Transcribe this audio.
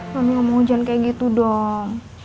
mami gak mau hujan kayak gitu dong